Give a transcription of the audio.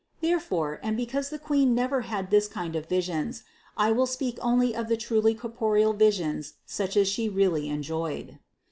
Therefore, and because the Queen never had this kind of visions, I will speak only of the truly cor poreal visions, such as She really enjoyed.